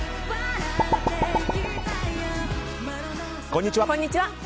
こんにちは。